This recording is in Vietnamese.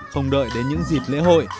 không đợi đến những dịp lễ hội